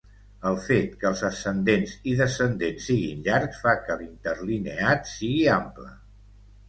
El fet que els ascendents i descendents siguin llargs fa que l'interlineat sigui ample.